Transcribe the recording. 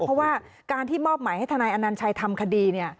เพราะว่าการที่มอบหมายให้ทนายอนัญชัยทำคดี